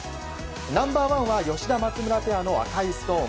ナンバー１は吉田、松村ペアの赤いストーン。